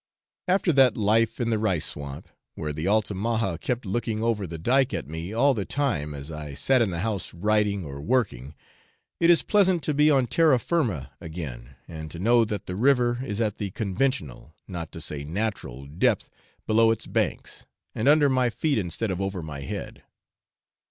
After that life in the rice swamp, where the Altamaha kept looking over the dyke at me all the time as I sat in the house writing or working, it is pleasant to be on terra firma again, and to know that the river is at the conventional, not to say natural, depth below its banks, and under my feet instead of over my head.